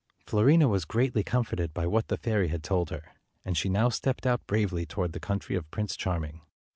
Fiorina was greatly comforted by what the fairy had told her, and she now stepped out bravely toward the country of Prince Charming.